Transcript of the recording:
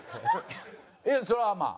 いやそれはまあ。